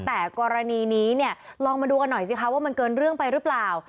แต่กรณีนี้เนี่ยลองมาดูกันหน่อยสิคะว่ามันเกินเรื่องไปหรือเปล่า